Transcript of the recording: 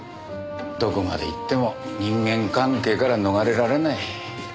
どこまでいっても人間関係からは逃れられない。